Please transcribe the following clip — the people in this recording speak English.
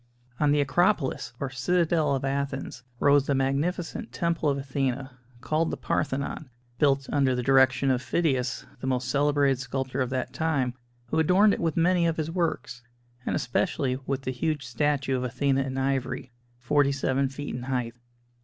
On the Acropolis, or Citadel of Athens, rose the magnificent Temple of Athena, called the Parthenon, built under the direction of Phidias, the most celebrated sculptor of that time, who adorned it with many of his works, and especially with the huge statue of Athena in ivory, forty seven feet in height.